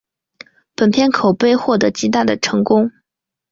本片口碑获得极大的成功。